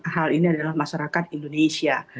hal ini adalah masyarakat indonesia